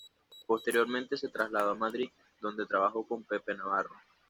Posteriormente se trasladó a Madrid, donde trabajó con Pepe Navarro.